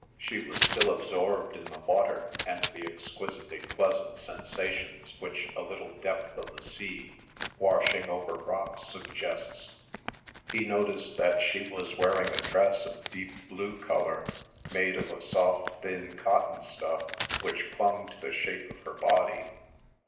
She was still absorbed in the water and the exquisitely pleasant sensations which a little depth of the sea washing over rocks suggests. He noticed that she was wearing a dress of deep blue colour, made of a soft thin cotton stuff, which clung to the shape of her body.